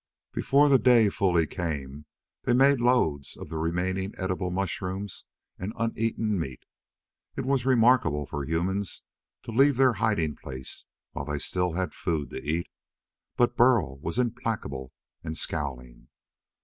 Before the day fully came, they made loads of the remaining edible mushroom and uneaten meat. It was remarkable for humans to leave their hiding place while they still had food to eat, but Burl was implacable and scowling.